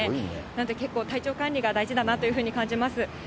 なんで結構体調管理が大事だなと感じます。